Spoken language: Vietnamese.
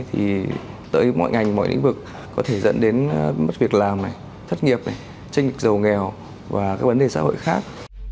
thì tới mọi ngành mọi lĩnh vực có thể dẫn đến mất việc làm thất nghiệp chênh dịch giàu nghèo và các vấn đề xã hội khác